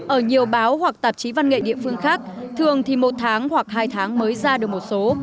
ở nhiều báo hoặc tạp chí văn nghệ địa phương khác thường thì một tháng hoặc hai tháng mới ra được một số